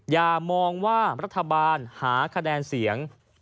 อย่ามองว่ารัฐบาลหาคะแนนเสียง